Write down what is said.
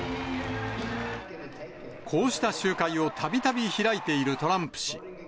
こうした集会をたびたび開いているトランプ氏。